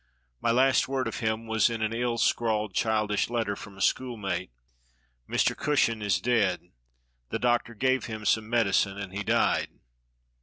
My last word of him was in an ill scrawled, childish letter from a schoolmate: 'Mr. Cushion is dead; the doctor gave him some medicine and he died.'